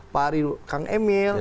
pak rilu kang emil